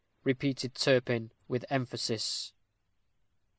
repeated Turpin, with emphasis.